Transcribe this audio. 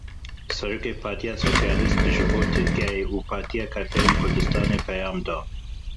Serokê Partiya Sosyalîstê ji bo Tirkiyeyê û Partiya Karkerên Kurdistanê peyam da.